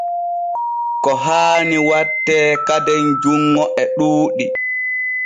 Ko haani watte kaden junŋo e ɗuuɗi.